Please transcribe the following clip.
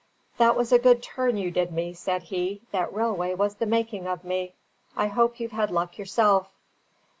"That was a good turn you did me," said he. "That railway was the making of me. I hope you've had luck yourself."